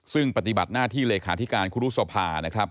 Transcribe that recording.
ซึ่งปฏิบัติหน้าที่เลขาธิการครุสภานะครับ